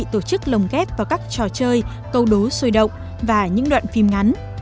tổng ghép vào các trò chơi câu đố sôi động và những đoạn phim ngắn